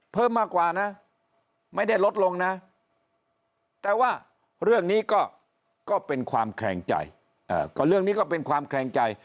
เพิ่มมากกว่านะไม่ได้ลดลงนะแต่ว่าเรื่องนี้ก็เป็นความแข็งใจ